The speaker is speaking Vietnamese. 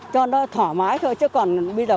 cho nó thoải mái thôi chứ còn bây giờ